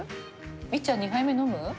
みっちゃん２杯目飲む？